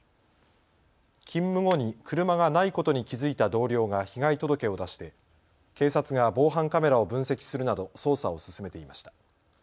勤務後に車がないことに気付いた同僚が被害届を出して警察が防犯カメラを分析するなど捜査を進めていました。